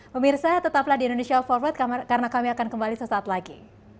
pemirsa tetaplah di indonesia forward karena kami akan kembali sesaat lagi